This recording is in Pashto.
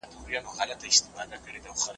آيا ټولنیز عدالت شتون لري؟